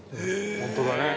◆本当だね。